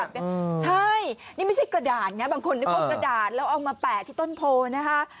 ใช่นี่ไม่ใช่กระดาษนะบางคนนึกว่ากระดาษแล้วเอามาแปะที่ต้นโพนะคะ